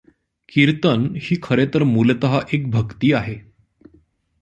कीर्तन ही खरेतर मूलतः एक भक्ती आहे.